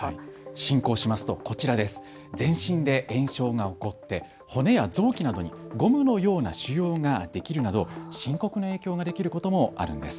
進行しますと全身で炎症が起こって、骨や臓器などにゴムのような腫瘍ができるなど深刻な影響が出ることもあるんです。